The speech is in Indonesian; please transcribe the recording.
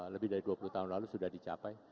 lebih dari dua puluh tahun lalu sudah dicapai